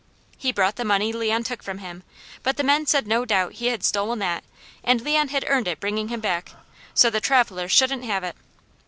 He brought the money Leon took from him, but the men said no doubt he had stolen that, and Leon had earned it bringing him back, so the traveller shouldn't have it.